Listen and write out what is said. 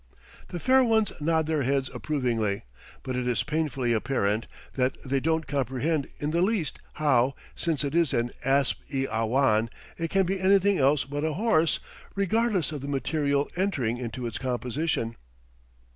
The fair ones nod their heads approvingly, but it is painfully apparent that they don't comprehend in the least, how, since it is an asp i awhan, it can be anything else but a horse, regardless of the material entering into its composition.